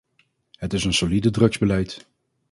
Het is een solide drugsbeleid.